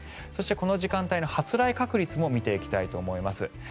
そして、この時間帯の発雷確率も見ていきます。